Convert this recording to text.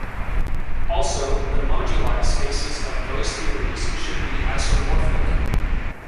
Also, the moduli spaces of those theories should be isomorphic.